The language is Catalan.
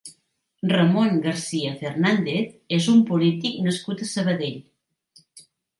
Ramón García Fernández és un polític nascut a Sabadell.